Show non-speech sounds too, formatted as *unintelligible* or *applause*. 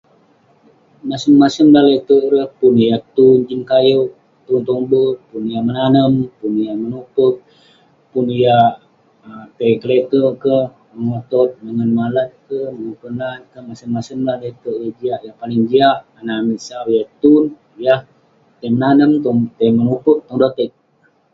Masing masing lah leterk ireh. Pun yah tun jin kayouk, tun tong be'ek. Pun yah menanem, pun yah. *unintelligible* Pun yah um tai keleterk kek, *unintelligible* mongen malat kek, mongen penat keh. Masem masem lah leterk yah jiak. Yah paling jiak anah amik sau yah tun, yah tai menanem, tai *unintelligible* tong doteg.